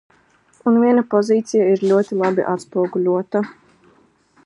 Un viena pozīcija ir ļoti labi atspoguļota.